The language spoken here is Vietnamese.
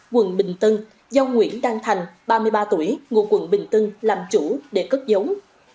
quận bình tân giao nguyễn đăng thành ba mươi ba tuổi ngôi quận bình tân làm chủ để cất giống